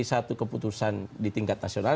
satu keputusan di tingkat nasional